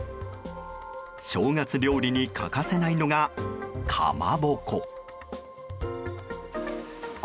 正月料理に欠かせないのがかまぼこ。